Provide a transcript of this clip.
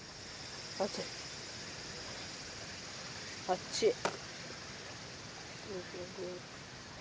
あっちい。